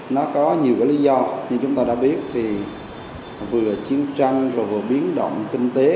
nó có nhiều cái lý do như chúng ta đã biết thì vừa chiến tranh vừa biến động kinh tế